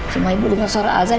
semua ibu dengar suara azan